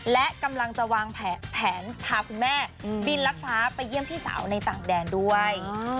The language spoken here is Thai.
และกำลังจะวางแผนพาคุณแม่บินรัดฟ้าไปเยี่ยมพี่สาวในต่างแดนด้วย